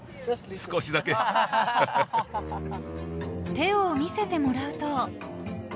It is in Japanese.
［手を見せてもらうと］